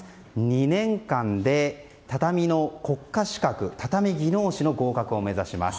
２年間で畳の国家資格畳技能士の合格を目指します。